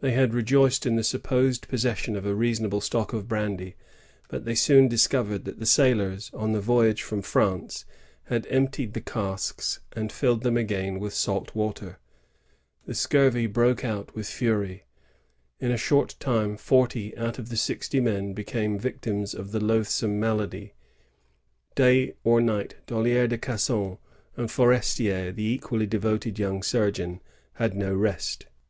They had rejoiced in the supposed possession of a reason able stock of brandy; but they soon discoyered that the sailorB, on the voyage from France, had emptied the casks and filled them again with salt water. The scurvy broke out with fuiy. In a short time, forty out of the sixty men became victims of the loathsome malady. Day or night, DoUier de Casson and Forestier, the equally devoted young suigeon, had no rest.